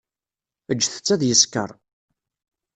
Ǧǧet-tt ad yeskeṛ.